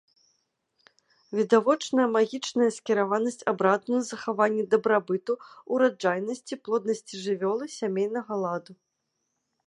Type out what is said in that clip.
Відавочная магічная скіраванасць абраду на захаванне дабрабыту, ураджайнасці, плоднасці жывёлы, сямейнага ладу.